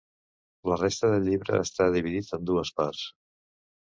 La resta del llibre està dividit en dues parts.